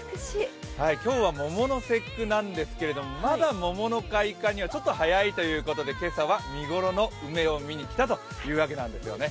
今日は桃の節句なんですけども、まだ桃の開花にはちょっと早いということで今朝は見ごろの梅を見に来たということなんですね。